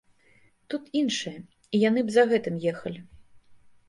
Тут іншае, і яны б за гэтым ехалі.